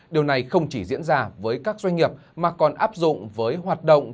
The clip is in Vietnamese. điều này không chỉ diễn ra với các doanh nghiệp mà còn áp dụng với hoạt động